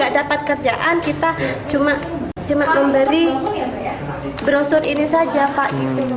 tidak dapat kerjaan kita cuma memberi brosur ini saja pak